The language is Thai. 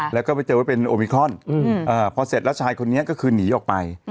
แล้วก็ไปเจอว่าเป็นโอมิครอนพอเสร็จแล้วชายคนนี้ก็คือหนีออกไป